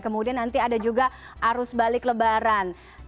kemudian nanti ada juga arus balik lebaran